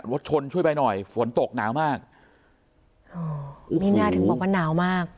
รถชนช่วยไปหน่อยฝนตกหนาวมากอ๋อมีน่าถึงบอกว่าหนาวมาก